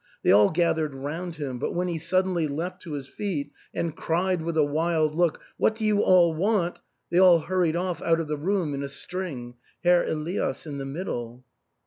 They all gathered round him ; but when he suddenly leapt to his feet and cried with a wild look, " What do you all want ?" they all hurried off out of the room in a string, Herr Elias in the mid dle.